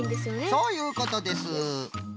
そういうことです！